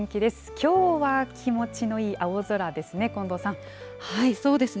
きょうは気持ちのいい青空ですね、そうですね。